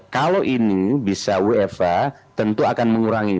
kalau ini bisa wfa tentu akan mengurangi